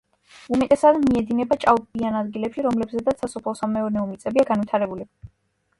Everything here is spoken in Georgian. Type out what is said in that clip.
უმეტესად მიედინება ჭაობიან ადგილებში, რომელზედაც სასოფლო სამეურნეო მიწებია განვითარებული.